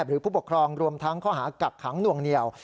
ผู้ปกครองรวมทั้งข้อหากักขังหน่วงเหนียว